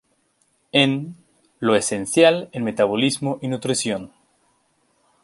En, Lo Esencial en Metabolismo y Nutrición.